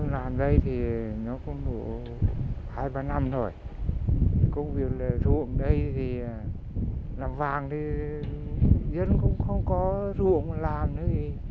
làm vàng thì dân cũng không có ruộng làm nữa gì